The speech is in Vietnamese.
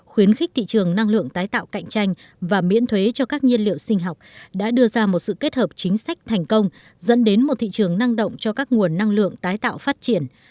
khuyến khích thị trường năng lượng tái tạo cạnh tranh và miễn thuế cho các nhiên liệu sinh học đã đưa ra một sự kết hợp chính sách thành công dẫn đến một thị trường năng động cho các nguồn năng lượng tái tạo phát triển